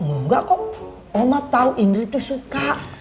enggak kok oma tau indri tuh suka